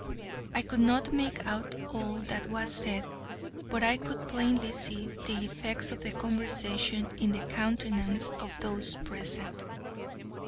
I could not make out all that was said, but I could plainly see the effects of the conversation in the countenances of those present.